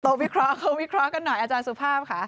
วิเคราะห์เขาวิเคราะห์กันหน่อยอาจารย์สุภาพค่ะ